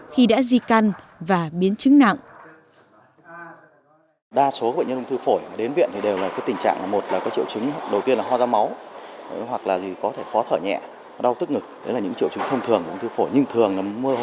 khi đã di căn và biến chứng nặng